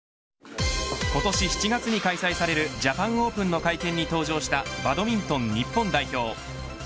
今年７月に開催されるジャパンオープンの会見に登場したバドミントン日本代表。